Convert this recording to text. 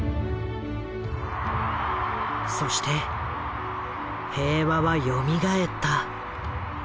そして平和はよみがえった。